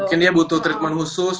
ini dia butuh treatment khusus